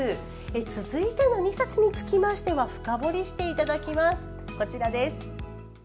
続いての２冊につきましては深掘りしていただきます。